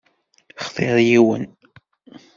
Xtiṛ yiwen.